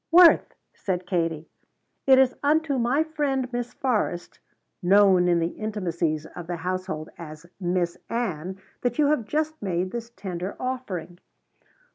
"Worth," said Katie, "it is unto my friend Miss Forrest, known in the intimacies of the household as Miss Ann, that you have just made this tender offering."